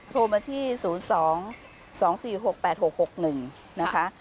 โทรมาที่๐๒๒๔๖๘๖๖๑นะคะ